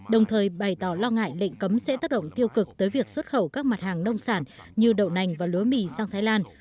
đồng thời bày tỏ lo ngại lệnh cấm sẽ tác động tiêu cực tới việc xuất khẩu các mặt hàng nông sản như đậu nành và lúa mì sang thái lan